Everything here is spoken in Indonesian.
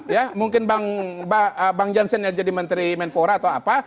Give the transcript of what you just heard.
ya mungkin bang jansen yang jadi menteri menpora atau apa